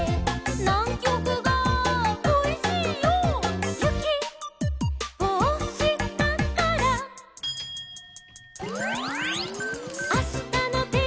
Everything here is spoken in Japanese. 「『ナンキョクがこいしいよ』」「ゆきをおしたから」「あしたのてんきは」